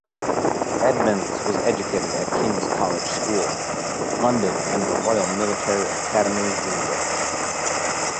Edmonds was educated at King's College School, London and the Royal Military Academy, Woolwich.